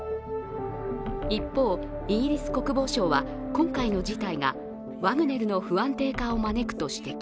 一方、イギリス国防省は、今回の事態がワグネルの不安定化を招くと指摘。